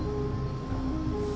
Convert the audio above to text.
dia bukan orang yang baik